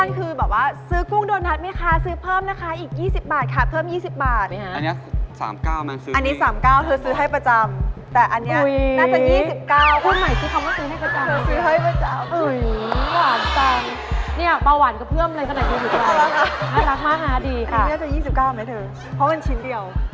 โปรโมชั่นคือแบบว่าซื้อกุ้งโดนัทมิ้งคะซื้อเพิ่มนะคะอีก๒๐บาทค่ะเพิ่ม๒๐บาท